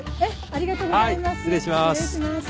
ありがとうございます。